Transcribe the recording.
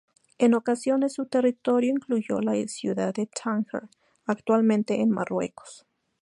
En ocasiones su territorio incluyó la ciudad de Tánger, actualmente en Marruecos.